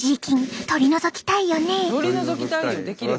取り除きたいよできれば。